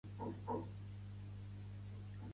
Què hi ha al carrer Arc de Sant Sever cantonada Bailèn?